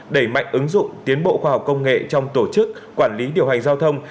đẩy mạnh ứng dụng tiến bộ khoa học công nghệ trong tổ chức quản lý điều hành giao thông